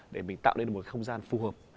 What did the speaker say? để mình tạo nên một không gian phù hợp